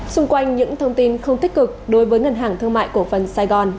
xung quanh những thông tin không tích cực đối với ngân hàng thương mại cổ phần sài gòn